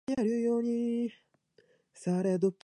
水が欲しいです